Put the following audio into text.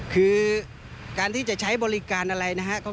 คือการที่จะใช้บริการอะไรนะครับ